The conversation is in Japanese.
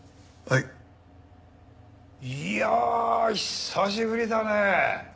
いや久しぶりだねえ！